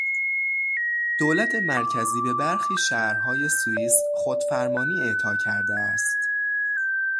دولت مرکزی به برخی شهرهای سوئیس خودفرمانی اعطا کرده است.